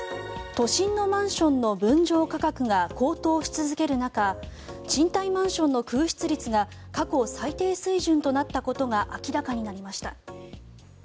都心のマンションの分譲価格が高騰し続ける中賃貸マンションの空室率が過去最低水準となったことが明らかになりました。